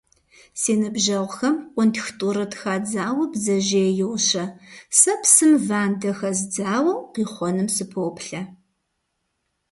Си ныбжьэгъухэм къунтх тӏурытӏ хадзауэ бдзэжьей йощэ, сэ псым вандэ хэздзауэ, къихъуэнум сыпоплъэ.